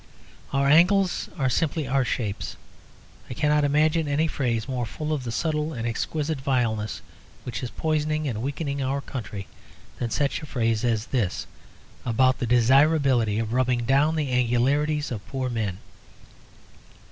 Our angles are simply our shapes. I cannot imagine any phrase more full of the subtle and exquisite vileness which is poisoning and weakening our country than such a phrase as this, about the desirability of rubbing down the angularities of poor men.